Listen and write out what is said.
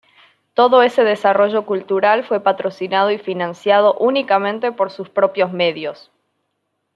Todo ese desarrollo cultural fue patrocinado y financiado únicamente por sus propios medios.